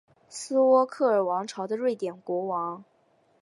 斯渥克尔王朝的瑞典国王。